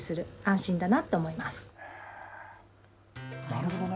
なるほどね。